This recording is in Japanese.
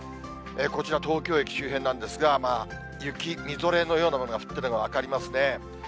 こちら、東京駅周辺なんですが、雪、みぞれのようなものが降ってるのが分かりますね。